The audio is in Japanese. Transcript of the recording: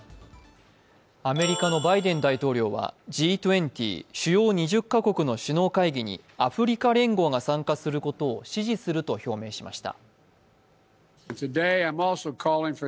アメリカのバイデン大統領はＧ２０、主要２０カ国の首脳会議にアフリカ連合が参加することを支持すると表明しました。